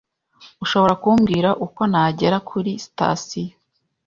Ushobora kumbwira uko nagera kuri sitasiyo?